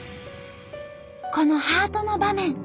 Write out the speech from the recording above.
このハートの場面。